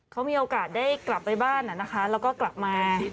เขามีโอกาสได้กลับไปบ้านแล้วก็กลับมา